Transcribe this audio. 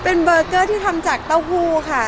เป็นเบอร์เกอร์ที่ทำจากเต้าหู้ค่ะ